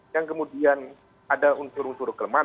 yang kemudian ada unsur unsur kelemahan